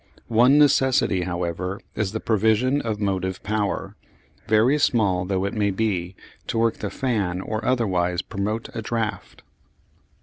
One necessity, however, is the provision of motive power, very small though it be, to work the fan or otherwise promote a draught.